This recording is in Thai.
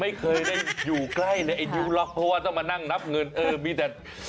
ไม่เคยได้อยู่ใกล้ในดิ้วล็อคเพราะว่าจะมานั่งนับเงินเออมีแต่